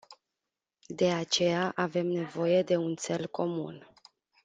De aceea avem nevoie de un țel comun.